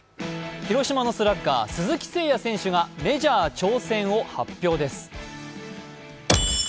広島のスラッガー・鈴木誠也選手がメジャー挑戦を発表です。